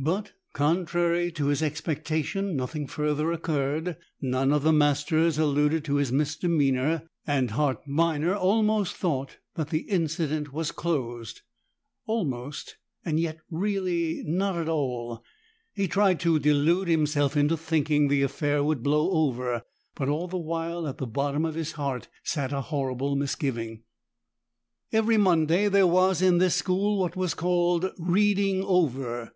But, contrary to his expectation, nothing further occurred; none of the masters alluded to his misdemeanour, and Hart Minor almost thought that the incident was closed almost, and yet really not at all; he tried to delude himself into thinking the affair would blow over, but all the while at the bottom of his heart sat a horrible misgiving. Every Monday there was in this school what was called "reading over."